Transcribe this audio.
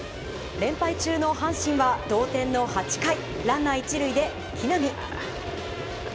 連敗中の阪神は同点の８回ランナー１塁で木浪。